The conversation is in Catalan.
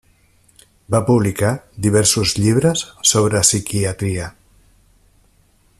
Va publicar diversos llibres sobre psiquiatria.